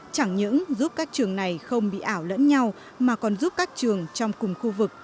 chẳng những giúp các trường này không bị ảo lẫn nhau mà còn giúp các trường trong cùng khu vực